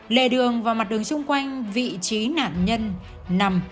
lề đường và mặt đường xung quanh vị trí nạn nhân nằm